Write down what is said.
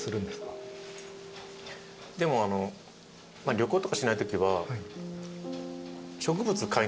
旅行とかしないときは。